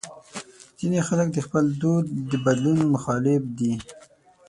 ځینې خلک د خپل دود د بدلون مخالف دي.